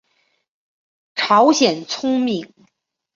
朝鲜葱饼。